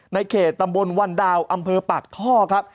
ในเขตตำบลวันดาวอำเภอปากท่อครับ